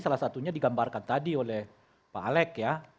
salah satunya digambarkan tadi oleh pak alec ya